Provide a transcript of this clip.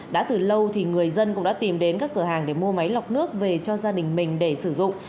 đã từ lâu thì người dân cũng đã tìm đến các cửa hàng để mua máy lọc nước về cho gia đình mình để sử dụng